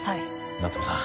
夏梅さん